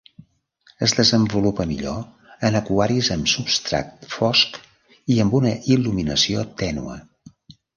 Es desenvolupa millor en aquaris amb substrat fosc i amb una il·luminació tènue.